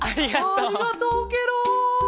ありがとうケロ！